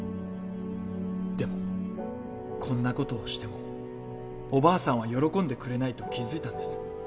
でもこんな事をしてもおばあさんは喜んでくれないと気付いたんです。